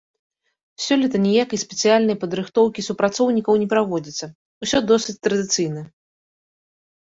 Сёлета ніякай спецыяльнай падрыхтоўкі супрацоўнікаў не праводзіцца, усё досыць традыцыйна.